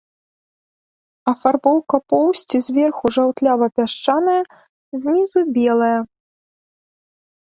Афарбоўка поўсці зверху жаўтлява-пясчаная, знізу белая.